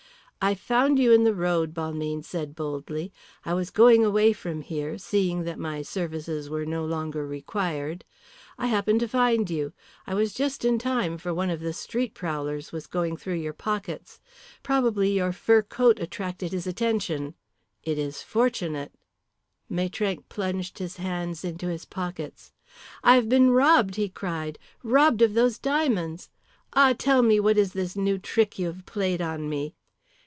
"I found you in the road," Balmayne said boldly. "I was going away from here, seeing that my services were no longer required. I happened to find you. I was just in time, for one of the street prowlers was going through your pockets. Probably your fur coat attracted his attention. It is fortunate " Maitrank plunged his hands into his pockets. "I have been robbed!" he cried, "robbed of those diamonds! Ah, tell me what is this new trick you have played on me!